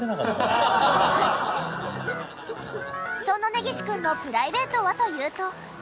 そんな根岸くんのプライベートはというと。